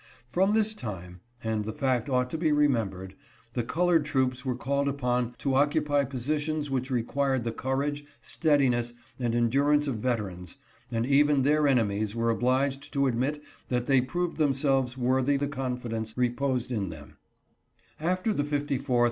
From this time (and the fact ought to be remembered) the colored troops were called upon to occupy positions which required the courage, steadiness, and endurance of vet erans, and even their enemies were obliged to admit that they proved themselves worthy the confidence reposed in 418 ACTION OF THE GOVERNMENT UNSATISFACTOY. them.